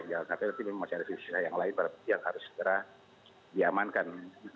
di jalan tkp nanti memang masih ada situasi yang lain yang harus diaman kan